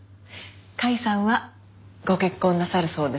甲斐さんはご結婚なさるそうですね。